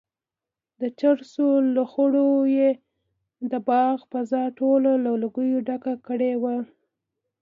د چرسو لوخړو یې د باغ فضا ټوله له لوګیو ډکه کړې وه.